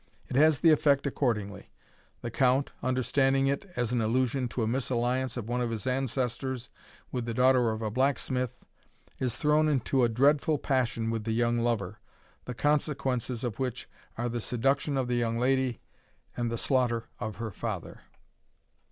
It has the effect accordingly. The count, understanding it as an allusion to a misalliance of one of his ancestors with the daughter of a blacksmith, is thrown into a dreadful passion with the young lover, the consequences of which are the seduction of the young lady, and the slaughter of her father.